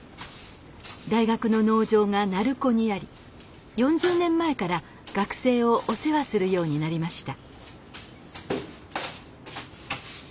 大学の農場が鳴子にあり４０年前から学生をお世話するようになりました。